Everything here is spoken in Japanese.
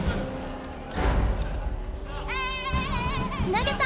投げた！